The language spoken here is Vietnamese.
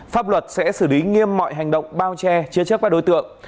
pháp luật sẽ xử lý nghiêm mọi hành động bao che chia chất các đối tượng